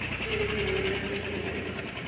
এই নে, এটা চেখে দেখ।